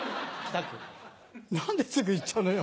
何ですぐ言っちゃうのよ。